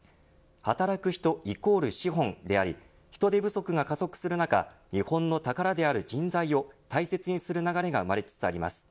働く人＝資本であり人手不足が加速する中日本の宝である人財を大切にする流れが生まれつつあります。